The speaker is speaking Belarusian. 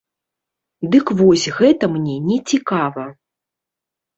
Дык вось гэта мне не цікава.